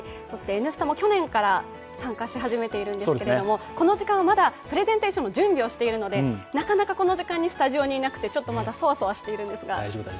「Ｎスタ」も去年から参加し始めているんですけれども、この時間はまだプレゼンテーションの準備をしているのでスタジオにいなくて、まだそわそわしているんですが。